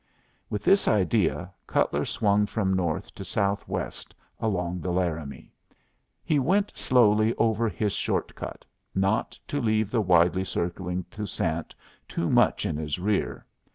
With this idea Cutler swung from north to southwest along the Laramie. He went slowly over his shortcut, not to leave the widely circling Toussaint too much in his rear.